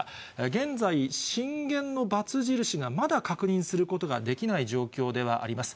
現在、震源のばつ印がまだ確認することができない状況ではあります。